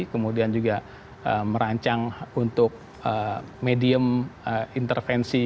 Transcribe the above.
kemudian juga merancang untuk medium intervensi